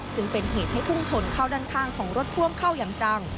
จึงเป็นเหตุให้พุ่งชนเข้าด้านข้างของรถพ่วงเข้าอย่างจัง